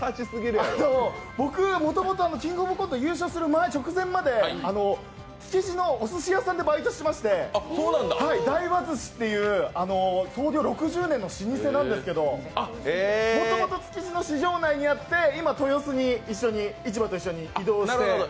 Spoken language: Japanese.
僕、もともと「キングオブコント」優勝する直前まで築地のおすし屋さんでバイトをしていまして大和寿司という創業６０年の老舗なんですけどもともと築地の市場内にあって今、豊洲に市場と一緒に移動して。